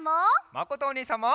まことおにいさんも！